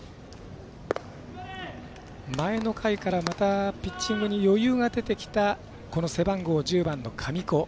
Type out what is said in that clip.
前の回から、またピッチングに余裕が出てきた背番号１０番の神子。